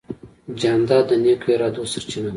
جانداد د نیکو ارادو سرچینه ده.